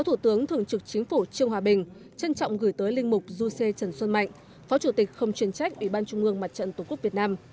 trương hòa bình trân trọng gửi tới linh mục du sê trần xuân mạnh phó chủ tịch không chuyên trách ủy ban trung ương mặt trận tổ quốc việt nam